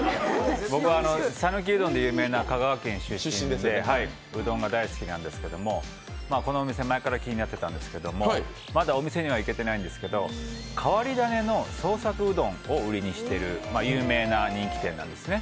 僕、讃岐うどんで有名な香川県出身でうどんが大好きなんですけどうどんが大好きなんですけどもこのお店、前から気になってたんですけどまだお店には行けていないんですけど、変わり種の創作うどんを売りにしている有名な人気店なんですね。